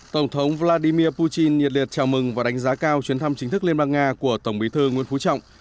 tổng thống vladimir putin nhiệt liệt chào mừng và đánh giá cao chuyến thăm chính thức liên bang nga của tổng bí thư nguyễn phú trọng